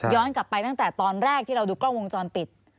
กลับไปตั้งแต่ตอนแรกที่เราดูกล้องวงจรปิด